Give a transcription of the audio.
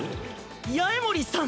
八重森さん